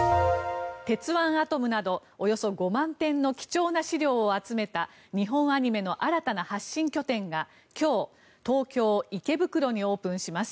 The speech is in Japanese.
「鉄腕アトム」などおよそ５万点の貴重な資料を集めた日本アニメの新たな発信拠点が今日、東京・池袋にオープンします。